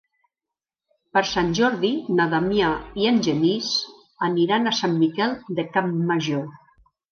Per Sant Jordi na Damià i en Genís aniran a Sant Miquel de Campmajor.